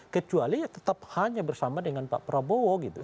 kecuali ya tetap hanya bersama dengan pak prabowo gitu